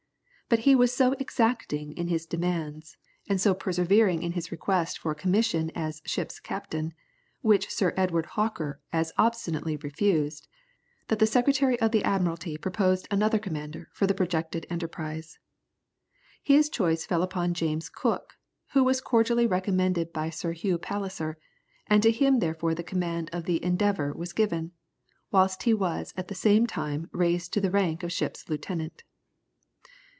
But he was so exacting in his demands, and so persevering in his request for a commission as ship's captain, which Sir Edward Hawker as obstinately refused, that the Secretary of the Admiralty proposed another commander for the projected enterprise. His choice fell upon James Cook, who was cordially recommended by Sir Hugh Palliser, and to him therefore the command of the Endeavour was given, whilst he was at the same time raised to the rank of ship's lieutenant.